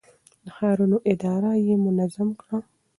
د ښارونو اداره يې منظم کړه.